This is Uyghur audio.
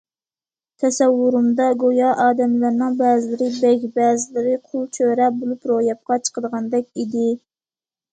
تەسەۋۋۇرۇمدا گويا ئادەملەرنىڭ بەزىلىرى بەگ، بەزىلىرى قۇل، چۆرە بولۇپ روياپقا چىقىدىغاندەك ئىدى.